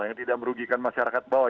yang tidak merugikan masyarakat bawah